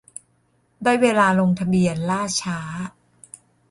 ได้เวลาลงทะเบียน ล่าช้า